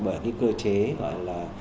bởi cái cơ chế gọi là